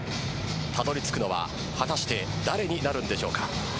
たどり着くのは果たして誰になるんでしょうか。